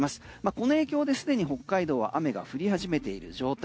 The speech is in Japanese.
この影響ですでに北海道は雨が降り始めている状態。